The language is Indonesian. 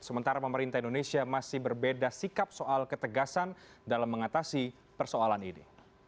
sementara pemerintah indonesia masih berbeda sikap soal ketegasan dalam mengatasi persoalan ini